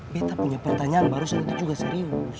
beta punya pertanyaan baru itu juga serius